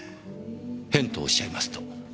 「変」とおっしゃいますと？